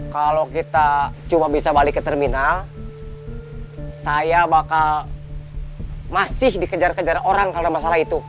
kalau kita cuma bisa balik ke terminal saya bakal masih dikejar kejar orang karena masalah itu